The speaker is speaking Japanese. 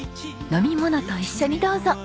飲み物と一緒にどうぞ。